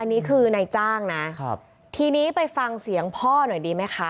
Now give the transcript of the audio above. อันนี้คือนายจ้างนะครับทีนี้ไปฟังเสียงพ่อหน่อยดีไหมคะ